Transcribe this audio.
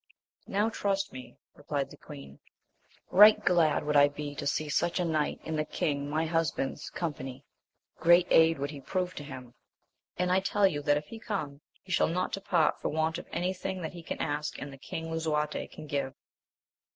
Now trust me, replied the queen, right glad would I be to see such a knight in the king my husband's company, great aid would he prove to him; and I tell you that if he come, he shall not depart for want of any thing that he can ask and that King lisuarte can give.